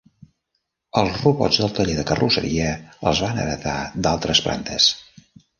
Els robots del taller de carrosseria els van heretar d'altres plantes.